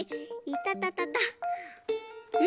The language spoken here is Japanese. いたたたた。